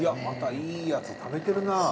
またいいやつ食べてるな。